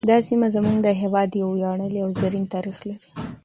دا سیمه زموږ د هیواد یو ویاړلی او زرین تاریخ لري